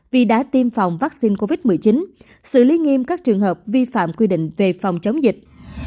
vì đã tiêm phòng vaccine covid một mươi chín xử lý nghiêm các trường hợp vi phạm quy định về phòng chống dịch